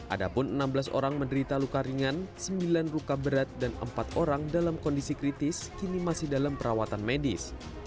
ada pun enam belas orang menderita luka ringan sembilan luka berat dan empat orang dalam kondisi kritis kini masih dalam perawatan medis